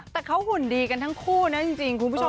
แต่เขาหุ่นดีกันทั้งคู่นะจริงคุณผู้ชม